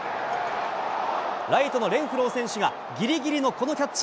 ライトのレンフロー選手が、ぎりぎりのこのキャッチ。